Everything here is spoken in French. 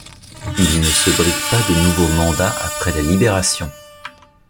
Il ne se brigue pas de nouveau mandat après la Libération.